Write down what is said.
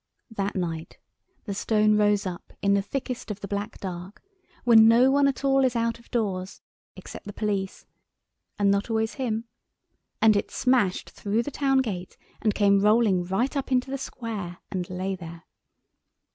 That night the stone rose up in the thickest of the black dark, when no one at all is out of doors, except the Police—and not always him—and it smashed through the town gate and came rolling right up into the Square and lay there.